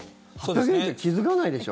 ８００円じゃ気付かないでしょ？